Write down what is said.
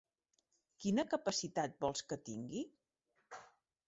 Quina capacitat vols que tingui?